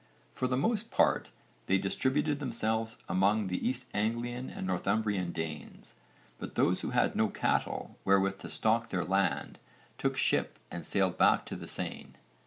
For the most part they distributed themselves among the East Anglian and Northumbrian Danes, but those who had no cattle wherewith to stock their land took ship and sailed back to the Seine.